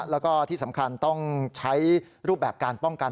แล้วก็ที่สำคัญต้องใช้รูปแบบการป้องกัน